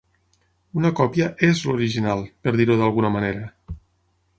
Una còpia "és" l'original, per dir-ho d'alguna manera.